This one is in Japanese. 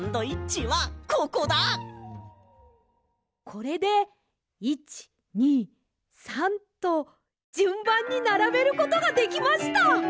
これで１２３とじゅんばんにならべることができました。